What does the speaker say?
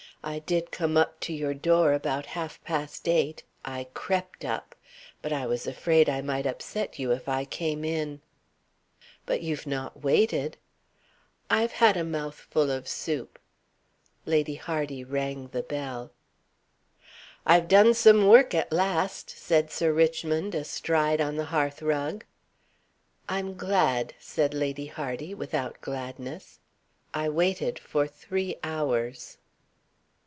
I did come up to your door about half past eight. I crept up. But I was afraid I might upset you if I came in." "But you've not waited " "I've had a mouthful of soup." Lady Hardy rang the bell. "I've done some work at last," said Sir Richmond, astride on the hearthrug. "I'm glad," said Lady Hardy, without gladness. "I waited for three hours."